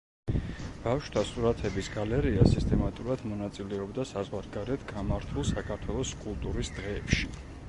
ბავშვთა სურათების გალერეა სისტემატურად მონაწილეობდა საზღვარგარეთ გამართულ საქართველოს კულტურის დღეებში.